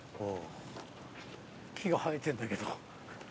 木が生えてんだけど。